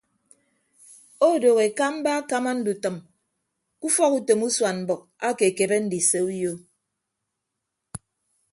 Odooho ekamba akama ndutʌm ke ufọk utom usuan mbʌk ake ekebe ndise uyo.